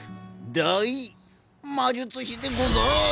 大魔術師でござい！